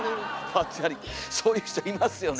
まったりそういう人いますよね。